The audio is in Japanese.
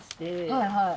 はいはい。